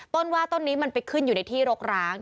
ว่าต้นนี้มันไปขึ้นอยู่ในที่รกร้าง